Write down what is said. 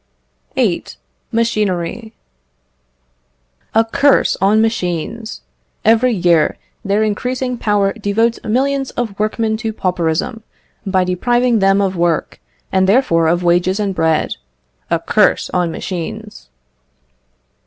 VIII. Machinery. "A curse on machines! Every year, their increasing power devotes millions of workmen to pauperism, by depriving them of work, and therefore of wages and bread. A curse on machines!"